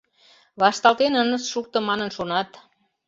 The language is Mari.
Вашталтен ынышт шукто манын шонат...